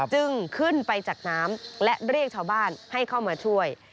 จึงขึ้นไปจากน้ำและเรียกชาวบ้านให้เข้ามาช่วย